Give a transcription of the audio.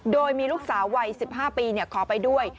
โดยมีลูกสาววัย๑๕ปีขอไปด้วย